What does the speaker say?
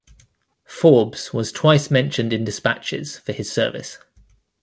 Forbes was twice Mentioned in Dispatches for his service.